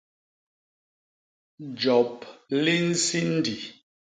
Jop li nsindi.